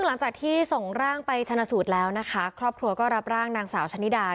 หลังจากที่ส่งร่างไปชนะสูตรแล้วนะคะครอบครัวก็รับร่างนางสาวชะนิดา